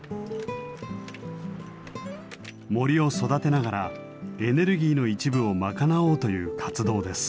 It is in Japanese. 森を育てながらエネルギーの一部を賄おうという活動です。